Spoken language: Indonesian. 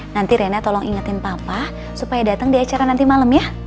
nanti rena tolong ingetin papa supaya datang di acara nanti malam ya